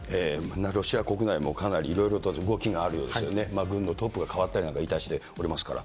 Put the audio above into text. ロシア国内もかなり動きがあるようですけれども、軍のトップがかわったりなんかいたしておりますから。